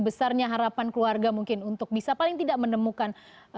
besarnya harapan keluarga mungkin untuk bisa paling tidak menemukan